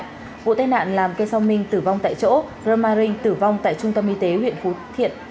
vụ tai nạn làm cơ sở minh tử vong tại chỗ romarin tử vong tại trung tâm y tế huyện phú thiện